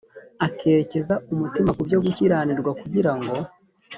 akerekeza umutima ku byo gukiranirwa kugira ngo